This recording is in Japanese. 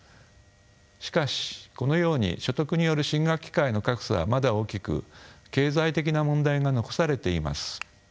しかしこのように所得による進学機会の格差はまだ大きく経済的な問題が残されています。